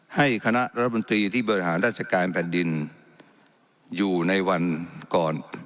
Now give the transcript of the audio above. ให้คณะรัฐมนตรีที่บริหารราชการแผ่นดินอยู่ในวันก่อน